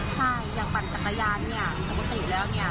ใช่อย่างปั่นจักรยานเนี่ยปกติแล้วเนี่ย